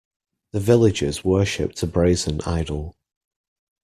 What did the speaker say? The villagers worshipped a brazen idol